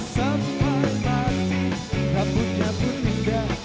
cumbunya pun indah